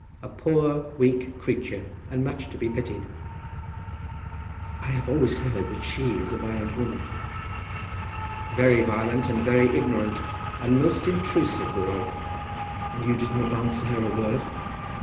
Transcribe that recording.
"A poor weak creature, and much to be pitied." "I have always heard that she is a violent woman." "Very violent, and very ignorant; and most intrusive withal." "And you did not answer her a word?"